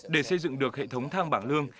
để xây dựng được hệ thống thang bảng lương